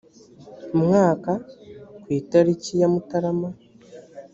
mwaka ku itariki ya mutarama